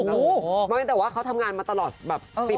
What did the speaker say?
ไม่แต่ว่าเขาทำงานมาตลอดแบบปี